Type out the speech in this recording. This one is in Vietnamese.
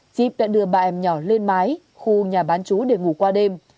chip đã đưa ba em nhỏ lên mái khu nhà bán chú để ngủ qua đêm